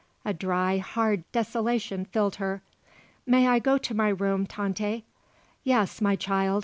A dry, hard desolation filled her. "May I go to my room, Tante?" "Yes, my child.